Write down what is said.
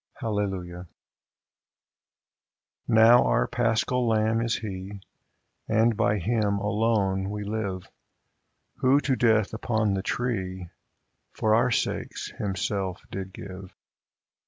Hallelujah ! Now our Paschal Lamb is He, And by Him alone we live, Who, to death upon the tree, For our sakes Himself did give.